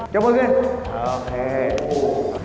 ยกมือขึ้นโอเคโอ้โฮ